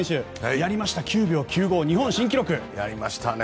やりました、９秒９５日本新記録。やりましたね。